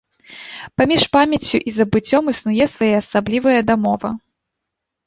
Паміж памяццю і забыццём існуе своеасаблівая дамова.